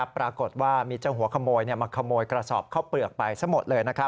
ปรากฏว่ามีเจ้าหัวขโมยมาขโมยกระสอบข้าวเปลือกไปซะหมดเลย